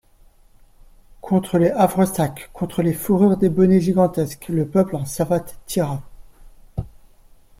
Contre les havresacs, contre les fourrures des bonnets gigantesques, le peuple en savates tira.